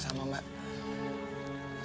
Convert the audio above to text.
salam emang buat keluarga